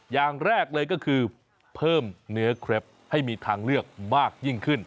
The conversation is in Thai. อย่างแรกเลยก็คือเพิ่มเนื้อเครปให้มีทางเลือกมากยิ่งขึ้น